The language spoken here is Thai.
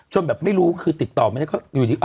จนแบบไม่รู้คือติดต่อมาแล้วก็อยู่ดี